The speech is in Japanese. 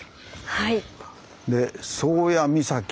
はい。